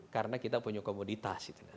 karena kita punya komoditas